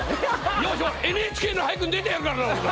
よしＮＨＫの俳句に出てやるからなほんなら！